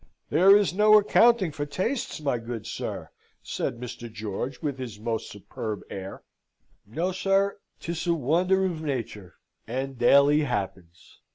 "There is no accounting for tastes, my good sir," said Mr. George, with his most superb air. "No, sir; 'tis a wonder of nature, and daily happens.